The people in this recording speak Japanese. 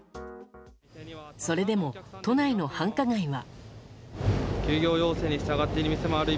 それでも都内の繁華街は。